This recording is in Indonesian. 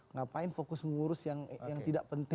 ngapain fokus mengurus yang tidak penting